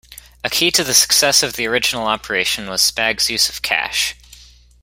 A key to the success of the original operation was Spag's use of cash.